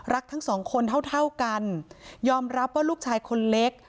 ทั้งสองคนเท่าเท่ากันยอมรับว่าลูกชายคนเล็ก